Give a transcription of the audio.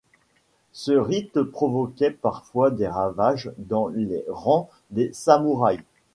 Ce rite provoquait parfois des ravages dans les rangs des samouraïs.